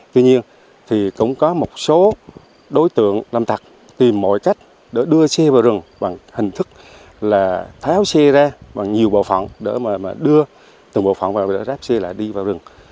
tuy nhiên thì cũng có một số đối tượng lâm tặc tìm mọi cách để đưa xe vào rừng bằng hình thức là tháo xe ra bằng nhiều bộ phận để mà đưa từng bộ phận vào ráp xe lại đi vào rừng